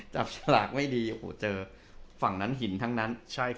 จับฉลากไม่ดีโอ้โหเจอฝั่งนั้นหินทั้งนั้น